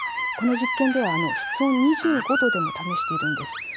この実験では室温２５度でも試しています。